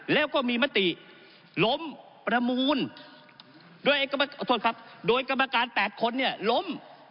แล้วก็มีมติล้มประมูลโดยกรรมการ๘คนเนี่ยล้ม